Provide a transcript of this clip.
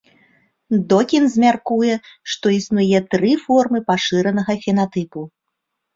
Докінз мяркуе, што існуе тры формы пашыранага фенатыпу.